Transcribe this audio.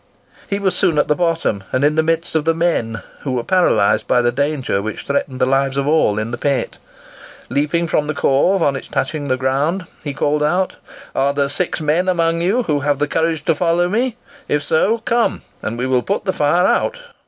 He was soon at the bottom, and in the midst of the men, who were paralysed by the danger which threatened the lives of all in the pit. Leaping from the corve on its touching the ground, he called out; "Are there six men among you who have courage to follow me? If so, come, and we will put the fire out."